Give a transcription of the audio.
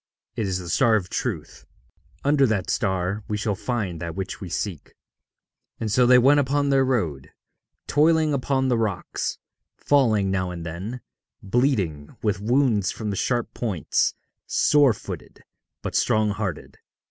It is the star of Truth. Under that star we shall find that which we seek.' And so they went upon their road, toiling upon the rocks, falling now and then, bleeding with wounds from the sharp points, sore footed, but strong hearted.